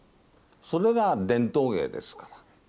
それが伝統芸ですから。